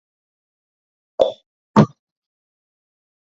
დაბადებისთანავე ლუიმ შარტრის ჰერცოგის წოდება მიიღო.